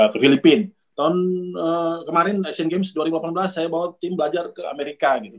ke filipina tahun kemarin asian games dua ribu delapan belas saya bawa tim belajar ke amerika gitu